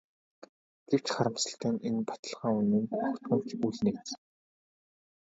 Гэвч харамсалтай нь энэ баталгаа үнэнд огтхон ч үл нийцнэ.